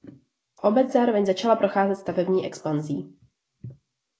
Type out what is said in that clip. Obec zároveň začala procházet stavební expanzí.